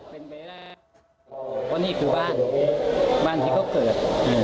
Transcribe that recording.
เพราะนี่คือบ้านบ้านที่เขาเกิด